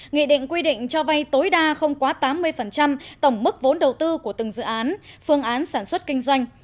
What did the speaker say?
nghị định quy định cho vay tối đa không quá tám mươi tổng mức vốn đầu tư của từng dự án phương án sản xuất kinh doanh